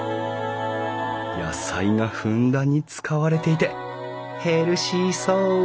野菜がふんだんに使われていてヘルシーそう！